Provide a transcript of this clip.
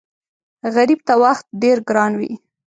غریب ته وخت ډېر ګران وي